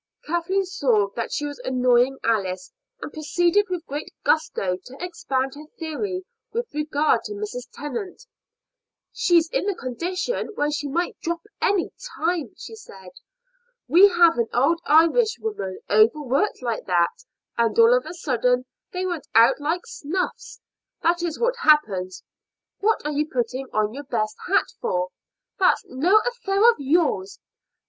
Kathleen saw that she was annoying Alice, and proceeded with great gusto to expand her theory with regard to Mrs. Tennant. "She's in the condition when she might drop any time," she said. "We have had old Irishwomen overworked like that, and all of a sudden they went out like snuffs: that is what happens. What are you putting on your best hat for?" "That is no affair of yours."